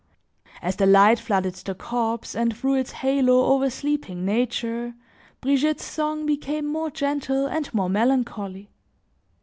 As the light flooded the copse and threw its halo over sleeping nature, Brigitte's song became more gentle and more melancholy.